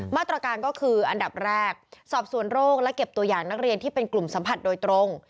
มาตรการก็คืออันดับแรกสอบสวนโรคและเก็บตัวอย่างนักเรียนที่เป็นกลุ่มสัมผัสโดยตรง